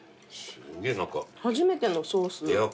初めてのソース。